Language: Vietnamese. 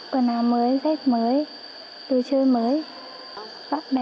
quần áo mới rét mới đồ chơi mới bạn bè